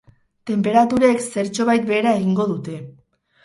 Tenperaturek zertxobait behera egingo dute.